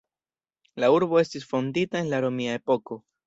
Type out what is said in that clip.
La urbo estis fondita en la romia epoko.